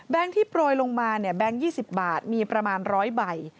ที่โปรยลงมาแบงค์๒๐บาทมีประมาณ๑๐๐ใบ